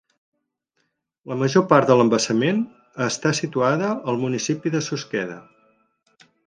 La major part de l'embassament està situada en el municipi de Susqueda.